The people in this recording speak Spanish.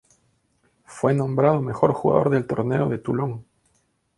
Fue nombrado mejor jugador del Torneo de Toulon.